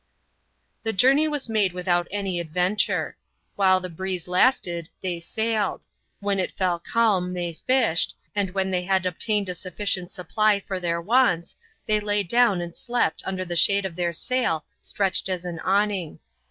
The journey was made without any adventure. While the breeze lasted they sailed; when it fell calm they fished, and when they had obtained a sufficient supply for their wants they lay down and slept under the shade of their sail stretched as an awning.